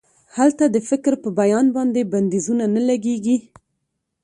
هلته د فکر په بیان باندې بندیزونه نه لګیږي.